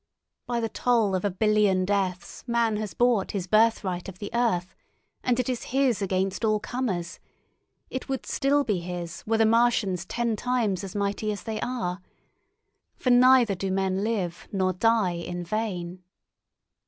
By the toll of a billion deaths man has bought his birthright of the earth, and it is his against all comers; it would still be his were the Martians ten times as mighty as they are. For neither do men live nor die in vain.